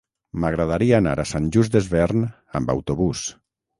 M'agradaria anar a Sant Just Desvern amb autobús.